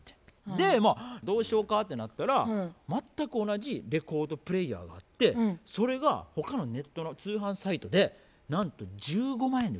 まあどうしようかってなったら全く同じレコードプレーヤーがあってそれが他のネットの通販サイトでなんと１５万円で売ってた。